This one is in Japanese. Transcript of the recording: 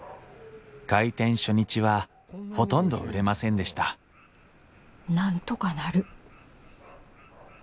開店初日はほとんど売れませんでしたなんとかなる。